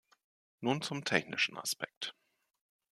Nun zum technischen Aspekt.